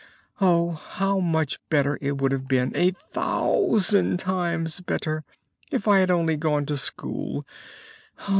Oh! how much better it would have been, a thousand times better, if I had only gone to school!